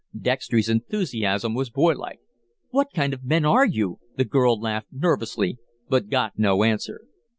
Dextry's enthusiasm was boylike. "What kind of men are you?" the girl laughed nervously, but got no answer.